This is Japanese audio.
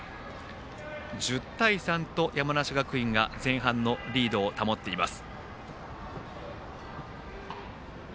１０対３と山梨学院が前半のリードを保っています。